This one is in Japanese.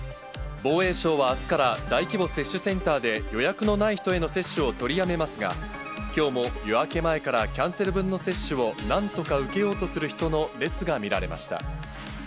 防衛省はあすから大規模接種センターで、予約のない人への接種を取りやめますが、きょうも夜明け前からキャンセル分の接種を、なんとか受けようとする人の列が見られました。